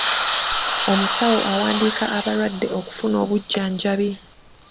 Omusawo awandiika abalwadde okufuna obujjanjabi.